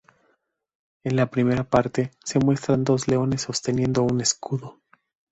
En la primera parte se muestran dos leones sosteniendo un escudo.